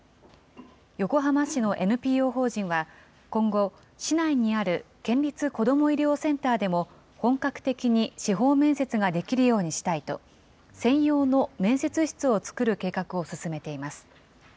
横浜市のＮＰＯ法人は、今後、市内にある県立こども医療センターでも、本格的に司法面接ができるようにしたいと、専用の面接室を作る計画を進めています。